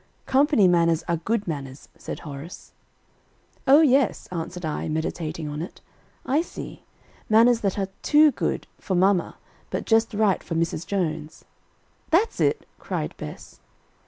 "Company manners are good manners;" said Horace. "O yes," answered I, meditating on it. "I see; manners that are too good for mamma but just right for Mrs. Jones." "That's it," cried Bess.